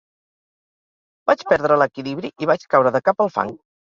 Vaig perdre l'equilibri i vaig caure de cap al fang.